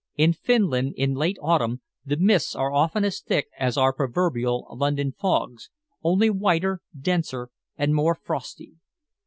In Finland in late autumn the mists are often as thick as our proverbial London fogs, only whiter, denser, and more frosty.